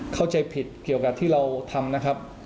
เข้าใจผิดเกี่ยวกับที่เราทำนะครับ